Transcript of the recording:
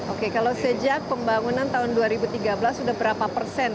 oke kalau sejak pembangunan tahun dua ribu tiga belas sudah berapa persen